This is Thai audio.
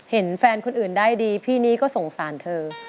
เห็นแฟนคนอื่นได้ดีพี่นี้ก็สงสารเธอ